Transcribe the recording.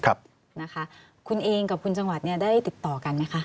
คุณเองกับคุณจังหวัดเนี่ยได้ติดต่อกันไหมคะ